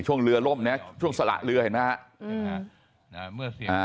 ช่วงเรือล่มเนี่ยช่วงสละเรือเห็นมั้ยฮะ